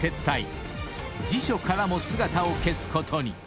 ［辞書からも姿を消すことに］